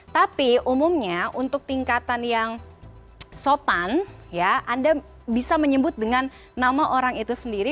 tapi umumnya untuk tingkatan yang sopan ya anda bisa menyebut dengan nama orang itu sendiri